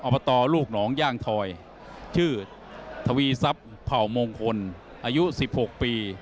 อบตรลูกหนองย่างทอยชื่อทวีซับเผ่ามงคลอายุสิบหกปี